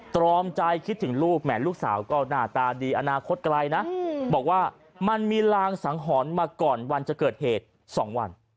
ตรอมใจคิดถึงลูกแหมลูกสาวก็หน้าตาดีอนาคตไกลนะบอกว่ามันมีรางสังหรณ์มาก่อนวันจะเกิดเหตุ๒วัน